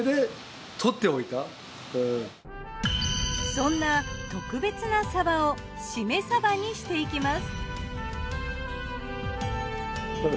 そんな特別なサバを〆サバにしていきます。